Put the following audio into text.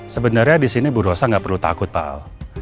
sebenarnya di sini bu rosa nggak perlu takut pak al